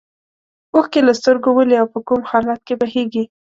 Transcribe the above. اوښکې له سترګو ولې او په کوم حالت کې بهیږي.